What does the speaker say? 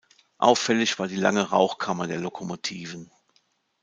Auffällig war die lange Rauchkammer der Lokomotiven.